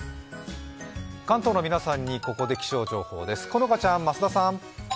関東に皆さんにここで気象情報です。